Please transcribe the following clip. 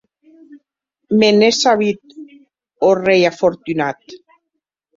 Me n’è sabut, ò rei afortunat!